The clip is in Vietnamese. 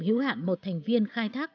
hiếu hạn một thành viên khai thác